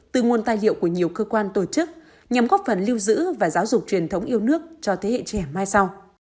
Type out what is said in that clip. từ nguồn tài liệu của nhiều cơ quan tổ chức nhằm góp phần lưu giữ và giáo dục truyền thống yêu nước cho thế hệ trẻ mai sau